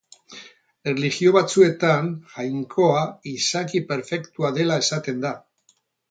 Erlijio batzuetan, Jainkoa izaki perfektua dela esaten da.